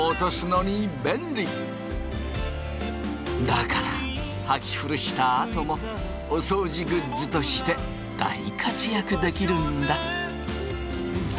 だからはき古したあともお掃除グッズとして大活躍できるんだ！